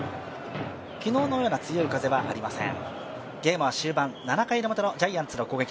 昨日のような強い風はありません。